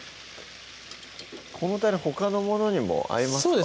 このたれほかのものにも合いますか？